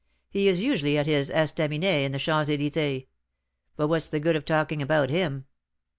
He is usually at his estaminet in the Champs Elysées. But what's the good of talking about him?"